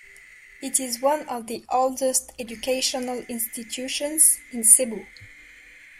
It is one of the oldest educational institutions in Cebu.